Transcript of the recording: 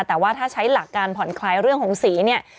แต่ว่าถ้าใช้หลักการผ่อนคลายเรื่องของสีเนี่ย